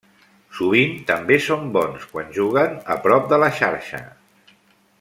Sovint també són bons quan juguen a prop de la xarxa.